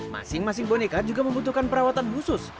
masing masing boneka juga membutuhkan perawatan khusus